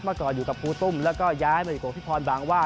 เมื่อก่อนอยู่กับครูตุ้มแล้วก็ย้ายมาอยู่กับพี่พรบางว่า